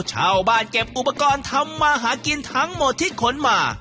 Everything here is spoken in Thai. ชาวบ้านเก็บอุปกรณ์ทำมาหากินทั้งหมดที่ขนมา